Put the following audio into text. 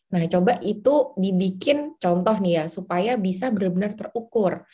nah coba itu dibikin contoh nih ya supaya bisa benar benar terukur